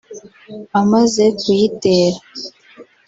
Amaze kuyitera